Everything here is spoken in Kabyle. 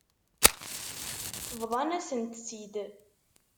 Bḍan-asent-t-id.